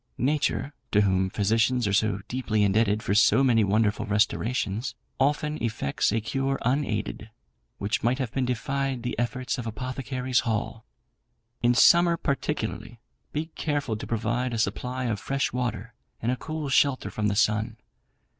Nature (to whom physicians are so deeply indebted for so many wonderful restorations), often effects a cure unaided, which might have defied the efforts of Apothecaries' Hall. "In summer, particularly, be careful to provide a supply of fresh water and a cool shelter from the sun.